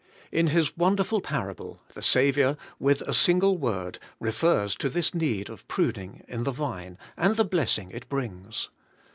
In His wonderful parable, the Saviour, with a single word, refers to this need of pruning in the vine, and the blessing it brings.